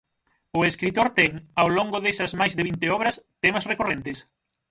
O escritor ten, ao longo desas máis de vinte obras, temas recorrentes?